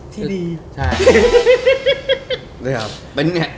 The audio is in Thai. ที่ดี